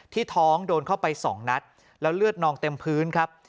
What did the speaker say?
ท้องโดนเข้าไปสองนัดแล้วเลือดนองเต็มพื้นครับ